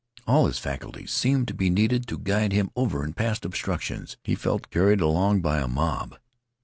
All his faculties seemed to be needed to guide him over and past obstructions. He felt carried along by a mob.